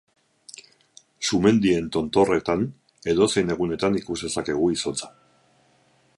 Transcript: Sumendien tontorretan edozein egunetan ikus dezakegu izotza.